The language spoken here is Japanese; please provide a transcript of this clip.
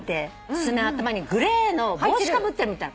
スズメの頭にグレーの帽子かぶってるみたい。